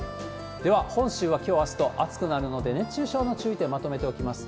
では本州は、きょう、あすと暑くなるので、熱中症の注意点、まとめておきます。